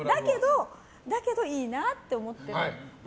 だけど、いいなって思って。